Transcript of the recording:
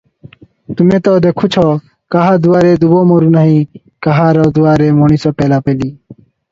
ତୁମେ ତ ଦେଖୁଛ, କାହା ଦୁଆରେ ଦୂବ ମରୁ ନାହିଁ, କାହାର ଦୁଆରେ ମଣିଷ ପେଲାପେଲି ।